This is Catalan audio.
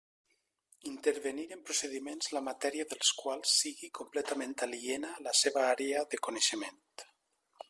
Intervenir en procediments la matèria dels quals sigui completament aliena a la seva àrea de coneixement.